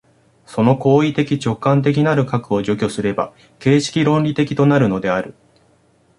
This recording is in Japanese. その行為的直観的なる核を除去すれば形式論理的となるのである。